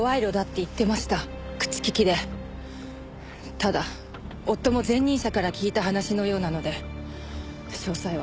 ただ夫も前任者から聞いた話のようなので詳細は。